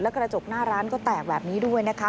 กระจกหน้าร้านก็แตกแบบนี้ด้วยนะคะ